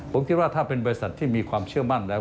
ผมคิดว่าถ้าเป็นบริษัทที่มีความเชื่อมั่นแล้ว